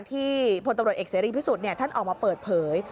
พลตำรวจเอกเสรีพิสุทธิ์ท่านออกมาเปิดเผย